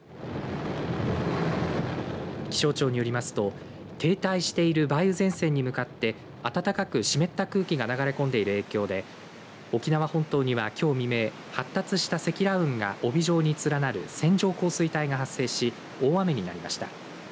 気象庁によりますと停滞している梅雨前線に向かって暖かく湿った空気が流れ込んでいる影響で沖縄本島には、きょう未明発達した積乱雲が帯状に連なる線状降水帯が発生し大雨になりました。